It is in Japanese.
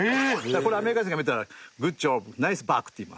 これアメリカ人が見たらグッドジョブナイスバークって言います。